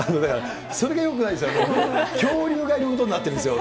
それがよくないんですよ、恐竜がもとになってるんですよ。